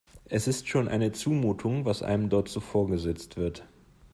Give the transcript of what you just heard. Es ist schon eine Zumutung, was einem dort so vorgesetzt wird.